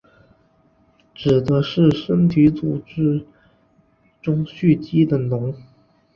指的是在身体组织中蓄积的脓。